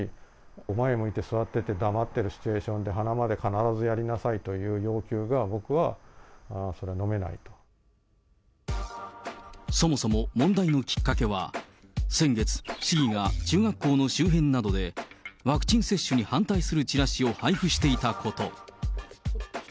前向いて座ってて、黙ってるシチュエーションで鼻まで必ずやりなさいという要求が、そもそも問題のきっかけは、先月、市議が中学校の周辺などで、ワクチン接種に反対するチラシを配布していたこと。